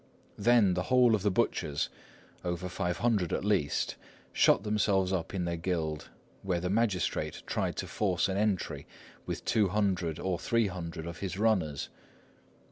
Then the whole of the butchers, over five hundred at least, shut themselves up in their guild, where the magistrate tried to force an entry with two hundred or three hundred of his runners.